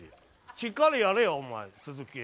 しっかりやれよお前続き。